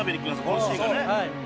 このシーンがね」